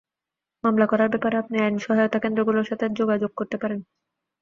মামলা করার ব্যাপারে আপনি আইন সহায়তা কেন্দ্রগুলোর সাথে যোগাযোগ করতে পারেন।